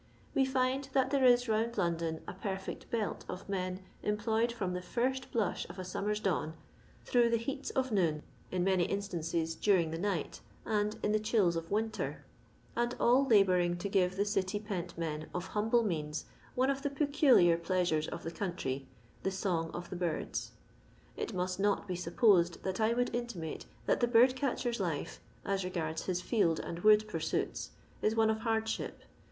We find that there is round London a perfect belt of men, employed from the first blush of a summer's dawn, through the heats of noon, in many instances during the night, and in the chills of winter ; and all labour ing to give to city pent men of humble means one of the peculiar pleasures of the country — the song of the birds. It must not be supposed that I would intimate that the bird catcher's life, as regards his field and wood pursuits, is one of hardship.